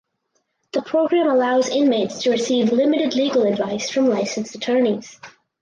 The program allows inmates to receive limited legal advice from licensed attorneys.